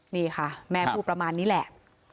นี่ค่ะแม่พูดประมาณนี้แหละ